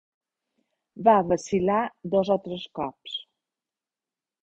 Va vacil·lar dos o tres cops